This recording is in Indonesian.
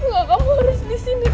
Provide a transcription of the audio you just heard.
enggak kamu harus disini raja